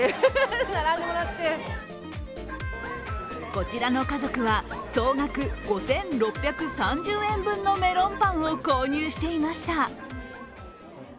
こちらの家族は総額５６３０円分のメロンパンを購入していました。